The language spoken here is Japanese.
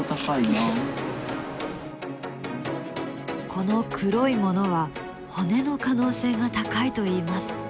この黒いものは骨の可能性が高いといいます。